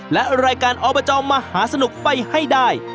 และรายการอบจมหาสนุกไปให้ได้